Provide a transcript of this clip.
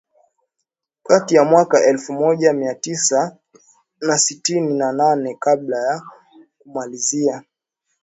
kati ya mwaka elfu moja Mia Tisa na sitini na nane kabla ya kumalizia